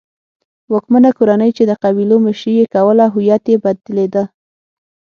واکمنه کورنۍ چې د قبیلو مشري یې کوله هویت یې بدلېده.